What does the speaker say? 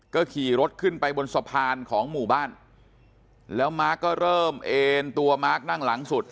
ก็ขี่รถขึ้นไปบนสะพานของหมู่บ้านแล้วมาร์คก็เริ่มเอ็นตัวมาร์คนั่งหลังสุด